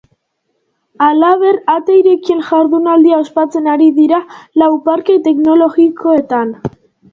Halaber, ate irekien jardunaldia ospatzen ari dira lau parke teknologikoetan.